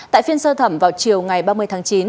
tại phiên sơ thẩm vào chiều ngày ba mươi tháng chín